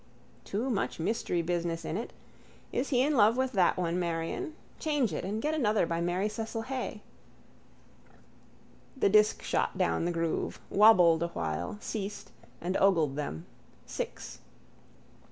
Too much mystery business in it. Is he in love with that one, Marion? Change it and get another by Mary Cecil Haye. The disk shot down the groove, wobbled a while, ceased and ogled them: six.